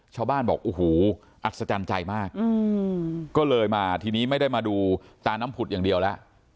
ชาวบ้านบอกโอ้โหอัศจรรย์ใจมากก็เลยมาทีนี้ไม่ได้มาดูตาน้ำผุดอย่างเดียวแล้ว